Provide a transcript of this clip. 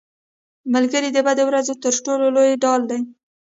ملګری د بدو ورځو تر ټولو لویه ډال دی